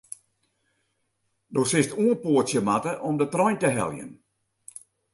Do silst oanpoatsje moatte om de trein te heljen.